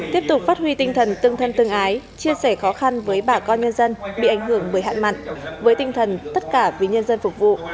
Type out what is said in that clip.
tiếp tục phát huy tinh thần tương thân tương ái chia sẻ khó khăn với bà con nhân dân bị ảnh hưởng bởi hạn mặn với tinh thần tất cả vì nhân dân phục vụ